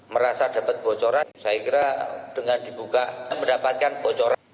merasa dapat bocoran saya kira dengan dibuka mendapatkan bocoran